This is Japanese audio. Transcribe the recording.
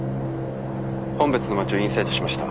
本別の街をインサイトしました。